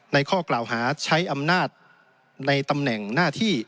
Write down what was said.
ข้อกล่าวหาใช้อำนาจในตำแหน่งหน้าที่